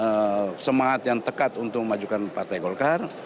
menjadi suatu apa namanya semangat yang tekat untuk memajukan partai golkar